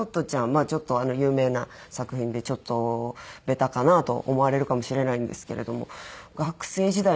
まあちょっと有名な作品でベタかなと思われるかもしれないんですけれども学生時代にですね